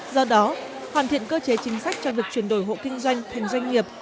do đó hoàn thiện cơ chế chính sách cho việc chuyển đổi hộ kinh doanh thành doanh nghiệp